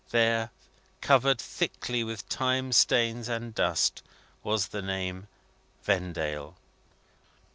There, covered thickly with time stains and dust, was the name: "Vendale."